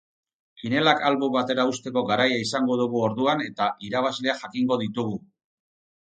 Kinielak albo batera uzteko garaia izango dugu orduan eta irabazleak jakingo ditugu.